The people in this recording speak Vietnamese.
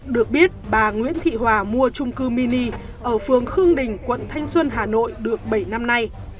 được biết bà nguyễn thị hòa mua trung cư mini ở phường khương đình quận thanh xuân hà nội được bảy năm nay